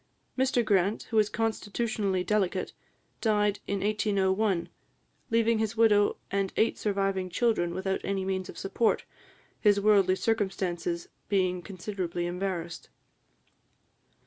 Mr Grant, who was constitutionally delicate, died in 1801, leaving his widow and eight surviving children without any means of support, his worldly circumstances being considerably embarrassed.